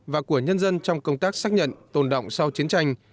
và của nhân dân trong công tác xác nhận tồn động sau chiến tranh